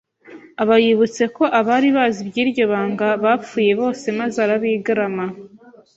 aba yibutse ko abari bazi iby’iryo banga bapfuye bose maze arabigarama